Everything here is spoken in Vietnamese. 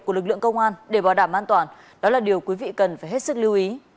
của lực lượng công an để bảo đảm an toàn đó là điều quý vị cần phải hết sức lưu ý